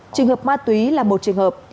trường hợp ma túy là một trường hợp